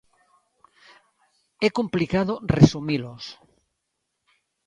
É complicado resumilos!